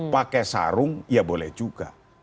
pakai sarung ya boleh juga